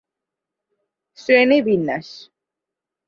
বর্ষপঞ্জি ব্যবহৃত হয়ে থাকে।